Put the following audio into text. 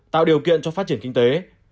tạo điều kiện cho phát triển kinh tế